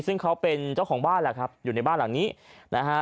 ซึ่งเขาเป็นเจ้าของบ้านแหละครับอยู่ในบ้านหลังนี้นะฮะ